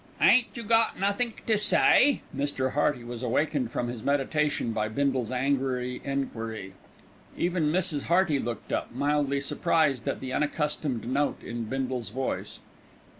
"Ain't you got nothink to say?" Mr. Hearty was awakened from his meditation by Bindle's angry enquiry. Even Mrs. Hearty looked up, mildly surprised at the unaccustomed note in Bindle's voice.